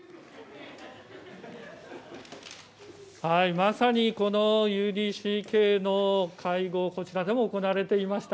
まさにＵＤＣＫの会合、こちらでも行われていました。